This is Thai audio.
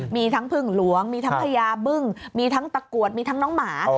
มีทั้งพึ่งหลวงมีทั้งพญาบึ้งมีทั้งตะกรวดมีทั้งน้องหมา